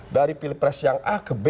dari pilpres yang a ke b